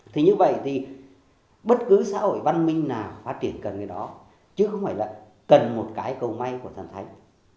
thì như vậy thì bất cứ xã hội văn minh nào phát triển cần cái đó chứ không phải là cần một cái cầu may của thần thánh